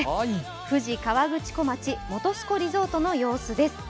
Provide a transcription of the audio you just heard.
富士河口湖町、本栖湖リゾートの様子です。